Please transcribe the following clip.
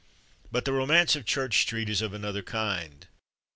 But the romance of Church Street is of another kind.